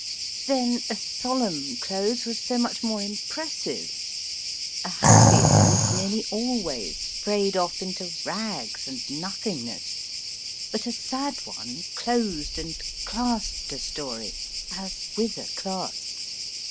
Then a solemn close was so much more impressive. A happy end nearly always frayed off into rags and nothingness, but a sad one closed and clasped a story as with a clasp.